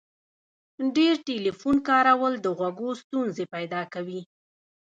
ډیر ټلیفون کارول د غوږو ستونزي پیدا کوي.